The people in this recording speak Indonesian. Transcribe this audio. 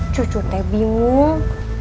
cucu teh bingung